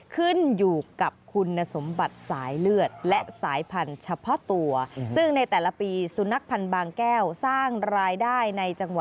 ขึ้นอยู่กับคุณสมบัติสายเลือดและสายพันธุ์เฉพาะตัว